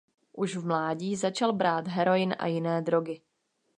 Už v mládí začal brát heroin a jiné drogy.